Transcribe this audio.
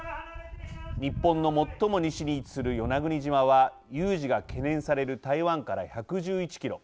日本の最も西に位置する与那国島は、有事が懸念される台湾から１１１キロ。